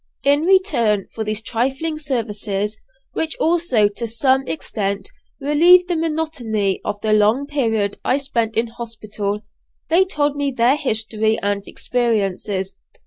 In return for these trifling services, which also to some extent relieved the monotony of the long period I spent in hospital, they told me their history and experiences.